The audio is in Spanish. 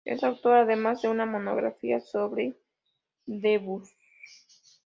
Es autor además de una monografía sobre Debussy.